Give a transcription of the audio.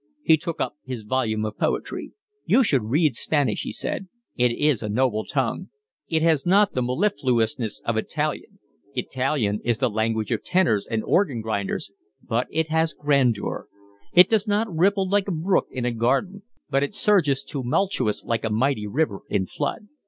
He took up his volume of poetry. "You should read Spanish," he said. "It is a noble tongue. It has not the mellifluousness of Italian, Italian is the language of tenors and organ grinders, but it has grandeur: it does not ripple like a brook in a garden, but it surges tumultuous like a mighty river in flood."